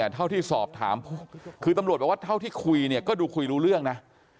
เท่าที่สอบถามคือตำรวจบอกว่าเท่าที่คุยเนี่ยก็ดูคุยรู้เรื่องนะ